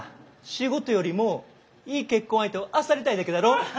仕事よりもいい結婚相手をあさりたいだけだろ？